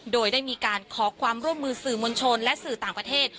โดยได้มีการขอความร่วมมือสื่อมวลชนและสื่อต่างประเทศ